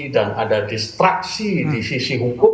dan ada distraksi di sisi hukum